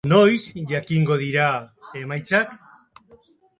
Noiz jakingo dira emaitzak?